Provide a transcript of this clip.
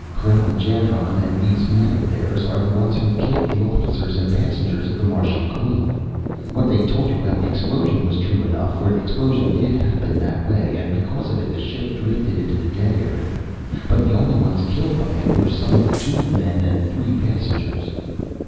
"Krell and Jandron and these men of theirs are the ones who killed the officers and passengers of the Martian Queen! What they told you about the explosion was true enough, for the explosion did happen that way, and because of it, the ship drifted into the dead area. But the only ones killed by it were some of the tube men and three passengers.